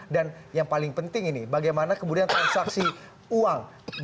dan yang paling penting ini bagaimana kemudian transaksi uang